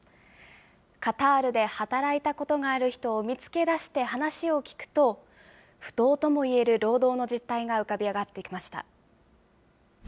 カタールで働いたことがある人を見つけ出して話を聞くと、不当ともいえる労働の実態が浮かび上がってきました。